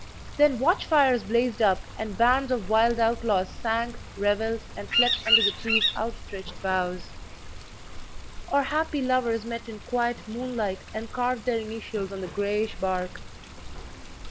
Then watch fires blazed up and bands of wild outlaws sang, revelled, and slept under the tree's outstretched boughs; or happy lovers met in quiet moonlight and carved their initials on the grayish bark.